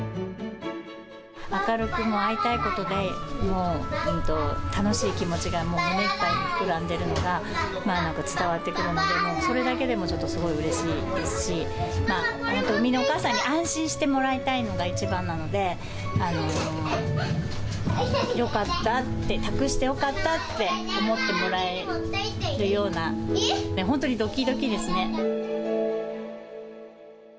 明るく、会いたいことで、楽しい気持ちがもう胸いっぱいに膨らんでいるのが伝わってくるので、もうそれだけでもちょっとうれしいですし、産みのお母さんに安心してもらいたいのが一番なので、よかったって、託してよかったって思ってもらえるような、本当にどきどきですね。